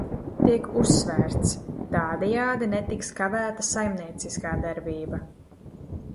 "Tiek uzsvērts: "tādējādi netiks kavēta saimnieciskā darbība"."